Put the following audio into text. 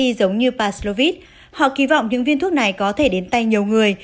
giống như paslovit họ kỳ vọng những viên thuốc này có thể đến tay nhiều người